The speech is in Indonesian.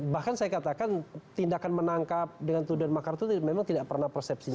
bahkan saya katakan tindakan menangkap dengan tuduhan makar itu memang tidak pernah persepsinya